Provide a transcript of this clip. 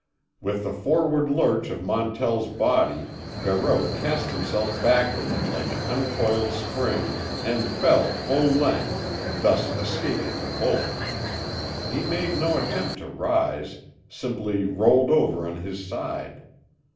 With the forward lurch of Montell's body Barreau cast himself backward like an uncoiled spring, and fell full length, thus escaping the bullet. He made no attempt to rise, simply rolled over on his side.